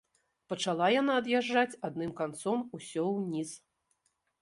Пачала яна ад'язджаць адным канцом усё ўніз.